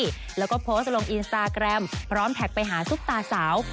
แล้วก็โพสต์ลงอินสตาแกรมพร้อมแท็กไปหาซุปตาสาว